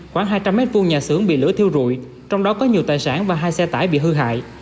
khoảng hai trăm linh m hai nhà xưởng bị lửa thiêu rụi trong đó có nhiều tài sản và hai xe tải bị hư hại